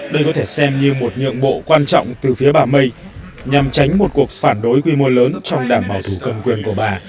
đây có thể xem như một nhượng bộ quan trọng từ phía bà may nhằm tránh một cuộc phản đối quy mô lớn trong đảng bảo thủ cầm quyền của bà